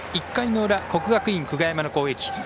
１回の裏、国学院久我山の攻撃。